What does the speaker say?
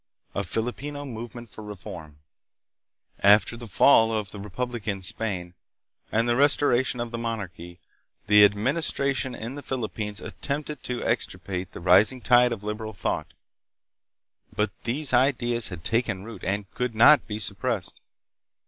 A Filipino Movement for Reform. After the fall of the republic in Spain and the restoration of the monarchy, the administration in the Philippines attempted to extir pate the rising tide of liberal thought; but these ideas had taken root and could not be suppressed.